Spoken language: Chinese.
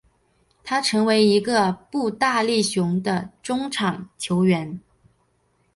他成为一个步大力雄的中场球员。